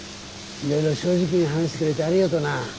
いろいろ正直に話してくれてありがとな。